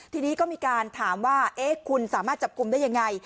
ทีนี้ก็มีการถามว่าคุณสามารถจับกลุ่มได้ยังไง